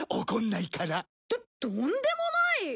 怒んないから。ととんでもない！